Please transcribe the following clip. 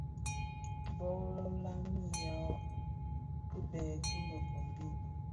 Bo lamiya kibèè ki mëfombi,